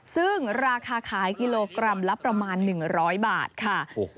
ซึ่งราคาขายกิโลกรัมละประมาณ๑๐๐บาทค่ะ